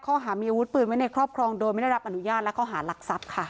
ข้อหามีอาวุธปืนไว้ในครอบครองโดยไม่ได้รับอนุญาตและข้อหารักทรัพย์ค่ะ